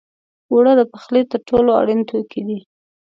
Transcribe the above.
اوړه د پخلي تر ټولو اړین توکي دي